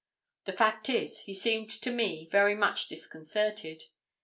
The fact is, he seemed to me very much disconcerted.